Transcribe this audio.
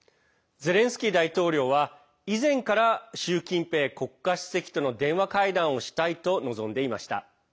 ゼレンスキー大統領は以前から習近平国家主席との電話会談をしたいと望んでいました。